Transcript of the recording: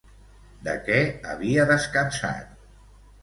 De què havia descansat?